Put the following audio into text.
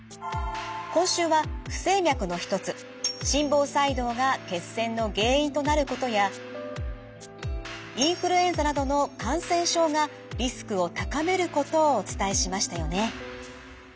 今週は不整脈の一つ心房細動が血栓の原因となることやインフルエンザなどの感染症がリスクを高めることをお伝えしましたよね。